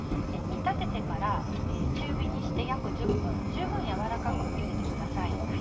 煮立ててから中火にして約１０分十分軟らかくゆでてください。